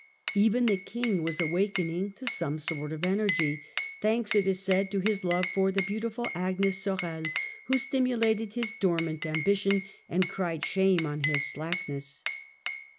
Even the King was awaking to some sort of energy, thanks, it is said, to his love for the beautiful Agnes Sorel, who stimulated his dormant ambition and cried shame on his slackness.